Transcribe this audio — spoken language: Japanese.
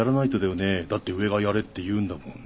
だって上がやれって言うんだもん。